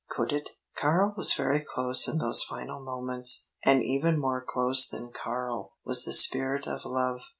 Could it? Karl was very close in those final moments, and even more close than Karl was the spirit of love.